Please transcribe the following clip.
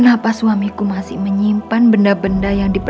tapi aku gak perlu itu semua nafisa